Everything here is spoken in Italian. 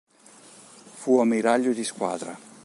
Fu ammiraglio di squadra.